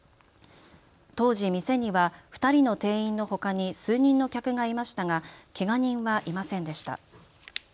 当時、店には２人の店員のほかに数人の客がいましたがけが人はいませんでした。